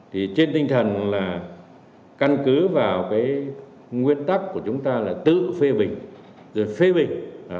thì trên tinh thần là căn cứ vào cái nguyên tắc của chúng ta là tự phê bình rồi phê bình